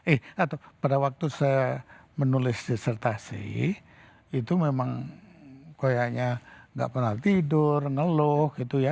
eh atau pada waktu saya menulis disertasi itu memang kayaknya nggak pernah tidur ngeluh gitu ya